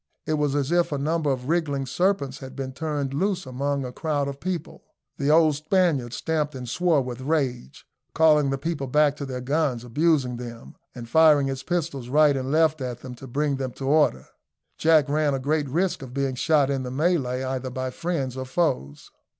It was as if a number of wriggling serpents had been turned loose among a crowd of people. The old Spaniard stamped and swore with rage, calling the people back to their guns, abusing them, and firing his pistols right and left at them to bring them to order. Jack ran a great risk of being shot in the melee, either by friends or foes.